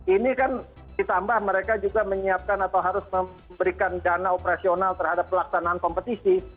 ini kan ditambah mereka juga menyiapkan atau harus memberikan dana operasional terhadap pelaksanaan kompetisi